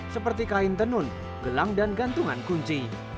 seperti kain tenun gelang dan gantungan kunci